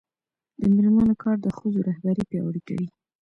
د میرمنو کار د ښځو رهبري پیاوړې کوي.